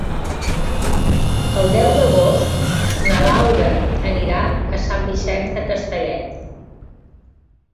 El deu d'agost na Laura anirà a Sant Vicenç de Castellet.